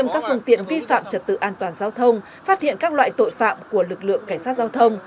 các phương tiện vi phạm trật tự an toàn giao thông phát hiện các loại tội phạm của lực lượng cảnh sát giao thông